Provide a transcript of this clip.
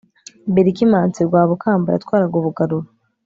Berkimansi Rwabukamba yatwaraga Ubugarura